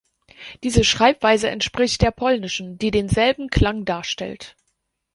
Diese Schreibweise entspricht der polnischen, die denselben Klang darstellt.